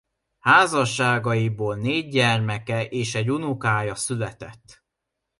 Házasságaiból négy gyermeke és egy unokája született.